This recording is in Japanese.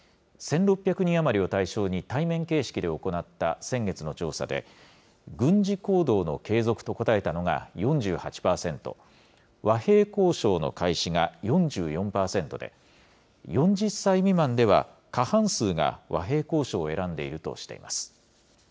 １６００人余りを対象に対面形式で行った先月の調査で、軍事行動の継続と答えたのが４８％、和平交渉の開始が４４％で、４０歳未満では過半数が和平交渉を選んでいるとしています。